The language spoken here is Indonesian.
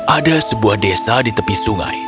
ada sebuah desa di tepi sungai